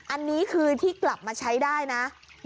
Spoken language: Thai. อันนี้คือที่กลับมาใช้ได้นะ